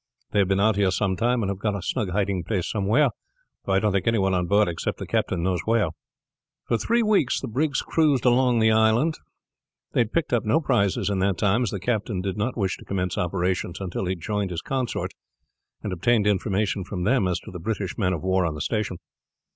They have been out here some time and have got a snug hiding place somewhere, though I don't think any one on board except the captain knows where." For three weeks the brig cruised among the islands. They had picked up no prizes in that time, as the captain did not wish to commence operations until he had joined his consorts and obtained information from them as to the British men of war on the station.